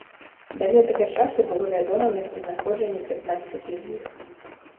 Да гэтага часу было вядома месцазнаходжанне пятнаццаці з іх.